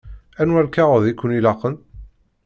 Anwa lkaɣeḍ i ken-ilaqen?